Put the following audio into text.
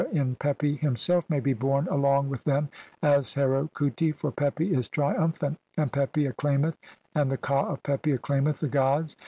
"in Pepi himself may be born along with them as "Heru khuti, for Pepi is triumphant, and Pepi ac "claimeth and the ka of Pepi acclaimeth the [gods].